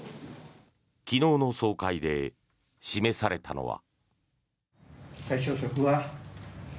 昨日の総会で、示されたのは。